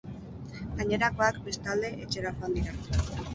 Gainerakoak, bestalde, etxera joan dira.